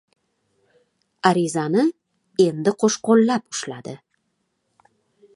Arizani endi qo‘shqo‘llab ushladi.